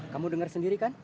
kamu dengar sendiri kan